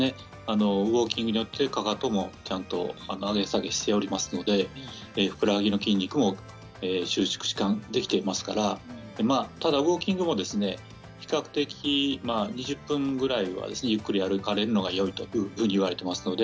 ウォーキングによってかかとも、ちゃんと上げ下げしておりますのでふくらはぎの筋肉も収縮、しかんできていますからただウォーキングも比較的２０分ぐらいはゆっくり歩かれるのがよいかと思います。